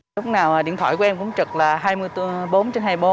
lúc nào điện thoại của em cũng trực là hai mươi bốn trên hai mươi bốn